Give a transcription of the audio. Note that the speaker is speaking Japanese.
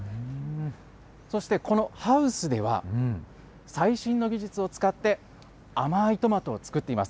そしてこのハウスでは、最新の技術を使って、甘いトマトを作っています。